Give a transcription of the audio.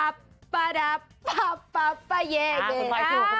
คุณฟ้าถูก